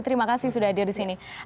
terima kasih sudah hadir di sini